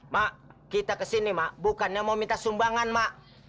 mak kita kesini mak bukannya mau minta sumbangan mak